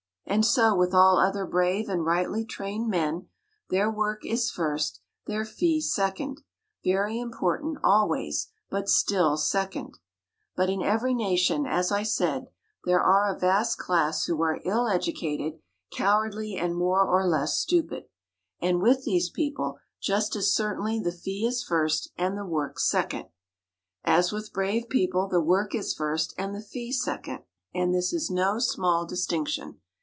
And so with all other brave and rightly trained men; their work is first, their fee second very important always, but still second. But in every nation, as I said, there are a vast class who are ill educated, cowardly, and more or less stupid. And with these people, just as certainly the fee is first, and the work second, as with brave people the work is first, and the fee second. And this is no small distinction.